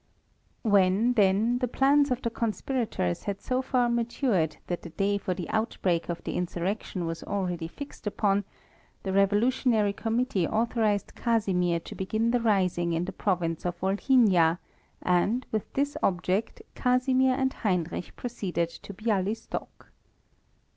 When, then, the plans of the conspirators had so far matured that the day for the outbreak of the insurrection was already fixed upon, the revolutionary committee authorized Casimir to begin the rising in the Province of Volhynia, and, with this object, Casimir and Heinrich proceeded to Bialystok.